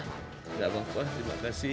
tidak apa apa terima kasih